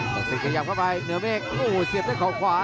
ศักดิ์สิทธิ์ขยับเข้าไปเหนือเมฆโอ้โหเสียบด้วยเขาขวา